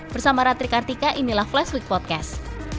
bersama ratrik artika inilah flashweek podcast